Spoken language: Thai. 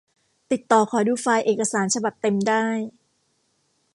ติดต่อขอดูไฟล์เอกสารฉบับเต็มได้